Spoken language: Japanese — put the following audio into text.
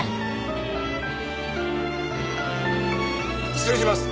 失礼します！